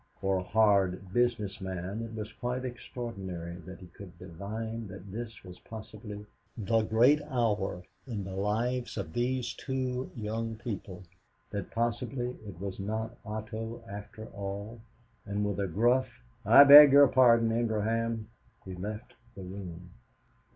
For a "hard business man," it was quite extraordinary that he could divine that this was possibly the great hour in the lives of these two young people, that possibly it was not Otto, after all; and, with a gruff, "I beg your pardon, Ingraham," he left the room.